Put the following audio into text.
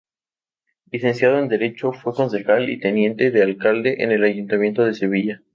Licenciado en derecho, fue concejal y teniente de alcalde en el Ayuntamiento de Sevilla.